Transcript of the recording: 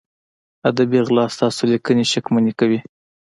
ادبي غلا ستاسو لیکنې شکمنې کوي.